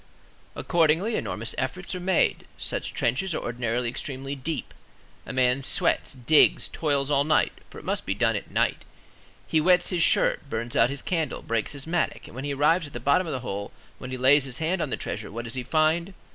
Accordingly, enormous efforts are made. Such trenches are ordinarily extremely deep; a man sweats, digs, toils all night—for it must be done at night; he wets his shirt, burns out his candle, breaks his mattock, and when he arrives at the bottom of the hole, when he lays his hand on the "treasure," what does he find?